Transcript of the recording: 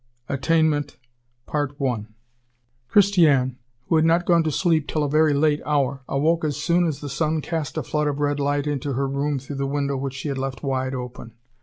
Attainment Christiane, who had not gone to sleep till a very late hour, awoke as soon as the sun cast a flood of red light into her room through the window which she had left wide open.